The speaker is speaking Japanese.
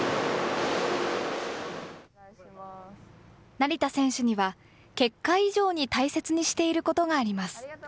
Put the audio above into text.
成田選手には、結果以上に大切にしていることがあります。